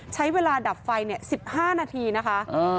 ใช้เวลาดับไฟ๑๕นาทีนะคะ